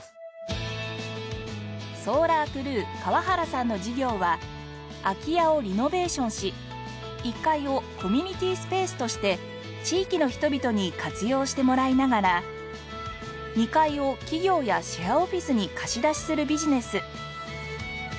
ｓｏｌａｒｃｒｅｗ河原さんの事業は空き家をリノベーションし１階をコミュニティスペースとして地域の人々に活用してもらいながら２階を企業やシェアオフィスに貸し出しするビジネス。